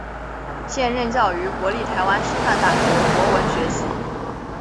现任教于国立台湾师范大学国文学系。